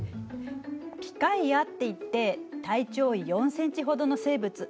ピカイアって言って体長４センチほどの生物。